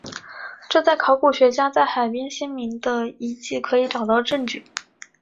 这在考古学家在海边先民的遗迹可以找到证据。